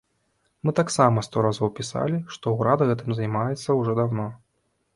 Мы таксама сто разоў пісалі, што ўрад гэтым займаецца ўжо даўно.